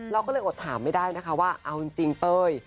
เราก็เลยอดถามไม่ได้นะคะว่าเอาจริงเต้ย